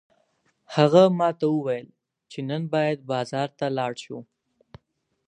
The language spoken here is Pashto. هغه ماته وویل چې نن باید بازار ته لاړ شو